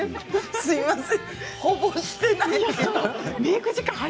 すみません。